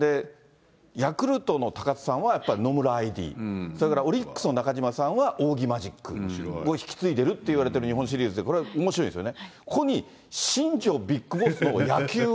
ヤクルトのたかつさんはやっぱり野村ＩＤ、それからオリックスの中島さんはおうぎマジックを引き継いでるっていわれる日本シリーズで、これ、おもしろいんですよね。